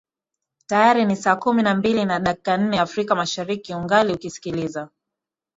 tayari ni saa kumi na mbili na dakika nne afrika mashariki ungali ukisikiliza